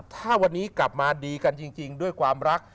ถ้าวันนี้กลับมาดีกันจริงด้วยความรัก